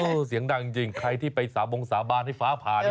เสียงดังจริงใครที่ไปสาบงสาบานให้ฟ้าผ่าน